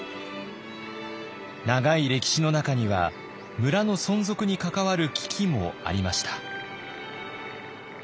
長い歴史の中には村の存続に関わる危機もありました。